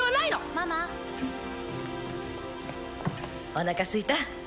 ママおなかすいた？